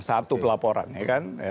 satu pelaporan ya kan